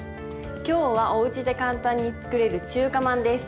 今日はおうちで簡単に作れる中華まんです。